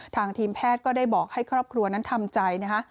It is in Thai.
ทางทีมแพทย์ก็ได้บอกให้ครอบครัวนั้นทำใจนะคะ